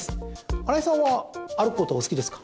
荒井さんは歩くことは好きですか？